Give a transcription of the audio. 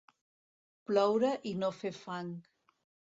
Ploure i no fer fang.